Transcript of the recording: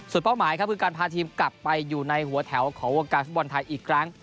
เป้าหมายครับคือการพาทีมกลับไปอยู่ในหัวแถวของวงการฟุตบอลไทยอีกครั้ง